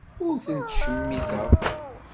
Ur ten-ttcemmiteɣ.